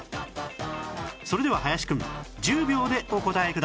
それでは林くん１０秒でお答えください